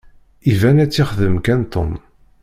Iban ad tt-yexdem kan Tom.